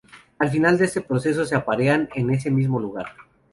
Al final de este proceso se aparean en ese mismo lugar.